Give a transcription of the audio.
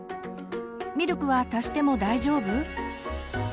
「ミルクは足しても大丈夫？」。